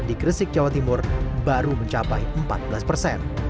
di gresik jawa timur baru mencapai empat belas persen